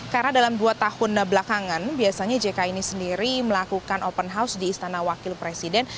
karena dalam dua tahun belakangan biasanya jk ini sendiri melakukan open house di istana wakil presiden